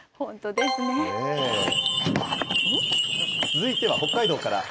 続いては北海道から。